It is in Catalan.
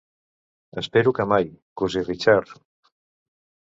Espero que mai, cosí Richard!